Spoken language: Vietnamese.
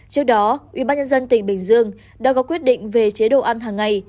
trước đó ubnd tỉnh bình dương đã có quyết định về chế độ ăn hàng ngày